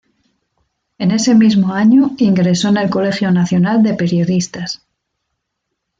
En ese mismo año ingresó en el Colegio Nacional de Periodistas.